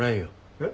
えっ？